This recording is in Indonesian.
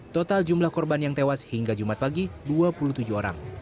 total jumlah korban yang tewas hingga jumat pagi dua puluh tujuh orang